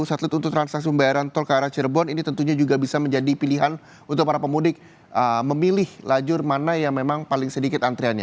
satelit untuk transaksi pembayaran tol ke arah cirebon ini tentunya juga bisa menjadi pilihan untuk para pemudik memilih lajur mana yang memang paling sedikit antriannya